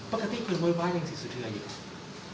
ปกติคือโว้ยไว้อย่างสีสุเทืออยู่ครับ